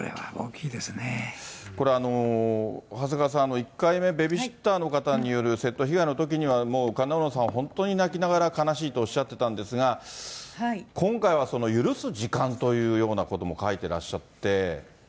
これ、長谷川さん、１回目、ベビーシッターの方による窃盗被害のときには、もう神田うのさんは本当に泣きながら、悲しいとおっしゃってたんですが、今回は許す時間というようなことも書いてらっしゃって。